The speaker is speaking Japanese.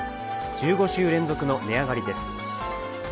１５週連続の値上がりです。